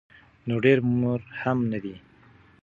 نو ډیر هم نه دي.